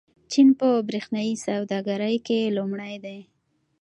چین په برېښنايي سوداګرۍ کې لومړی دی.